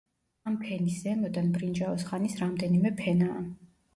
ამ ფენის ზემოდან ბრინჯაოს ხანის რამდენიმე ფენაა.